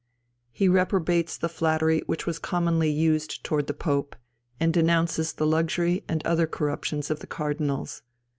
He reprobates the flattery which was commonly used towards the Pope, and denounces the luxury and other corruptions of the cardinals.